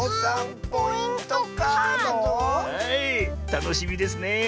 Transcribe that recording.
たのしみですねえ。